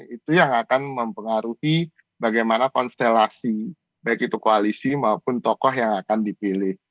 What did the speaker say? itu yang akan mempengaruhi bagaimana konstelasi baik itu koalisi maupun tokoh yang akan dipilih